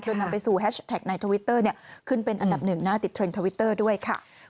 นำไปสู่แฮชแท็กในทวิตเตอร์ขึ้นเป็นอันดับหนึ่งหน้าติดเทรนดทวิตเตอร์ด้วยค่ะ